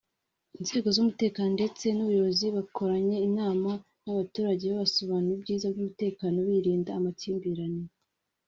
Inzego z’umutekano ndetse n’ubuyobozi bakoranye inama n’abaturage babasobanurira ibyiza by’umutekano birinda amakimbirane